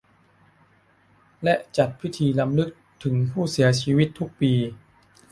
และจัดพิธีรำลึกถึงผู้เสียชีวิตทุกปี